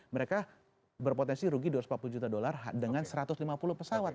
mereka berpotensi rugi dua ratus empat puluh juta dolar dengan satu ratus lima puluh pesawat